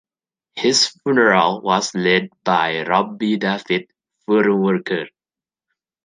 His funeral was led by Rabbi David Feuerwerker.